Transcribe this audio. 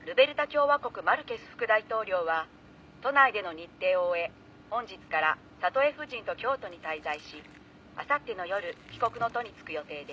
共和国マルケス副大統領は都内での日程を終え本日からサトエ夫人と京都に滞在しあさっての夜帰国の途につく予定です」